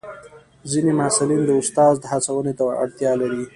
ځینې محصلین د استاد هڅونې ته اړتیا لري.